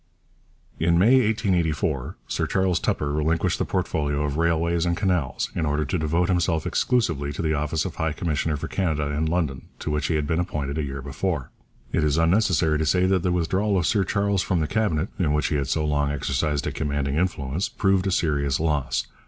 In May 1884 Sir Charles Tupper relinquished the portfolio of Railways and Canals in order to devote himself exclusively to the office of high commissioner for Canada in London, to which he had been appointed a year before. It is unnecessary to say that the withdrawal of Sir Charles from the Cabinet, in which he had so long exercised a commanding influence, proved a serious loss.